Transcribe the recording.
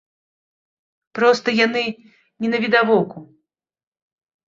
Проста яны не навідавоку.